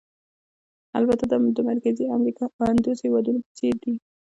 البته دا د مرکزي امریکا او اندوس هېوادونو په څېر دي.